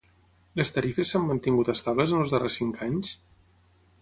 Les tarifes s'han mantingut estables en els darrers cinc anys?